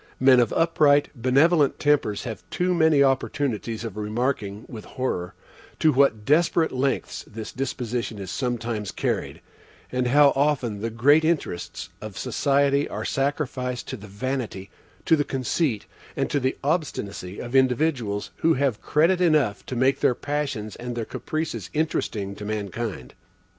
Men of upright, benevolent tempers have too many opportunities of remarking, with horror, to what desperate lengths this disposition is sometimes carried, and how often the great interests of society are sacrificed to the vanity, to the conceit, and to the obstinacy of individuals, who have credit enough to make their passions and their caprices interesting to mankind.